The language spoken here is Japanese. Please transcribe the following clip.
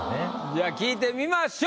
じゃあ聞いてみましょう。